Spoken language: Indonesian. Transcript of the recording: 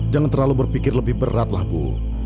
jangan terlalu berpikir lebih berat lah bu